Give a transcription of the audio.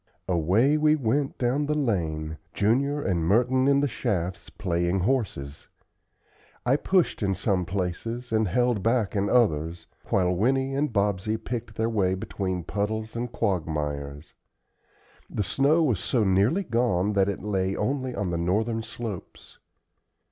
Away we went, down the lane, Junior and Merton in the shafts, playing horses. I pushed in some places, and held back in others, while Winnie and Bobsey picked their way between puddles and quagmires. The snow was so nearly gone that it lay only on the northern slopes.